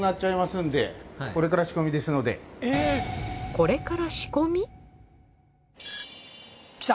これから仕込み？きた！